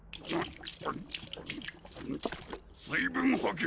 水分補給！